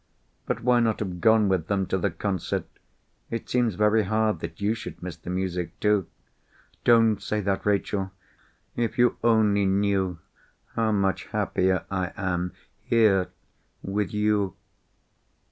But why not have gone with them to the concert? It seems very hard that you should miss the music too." "Don't say that, Rachel! If you only knew how much happier I am—here, with you!"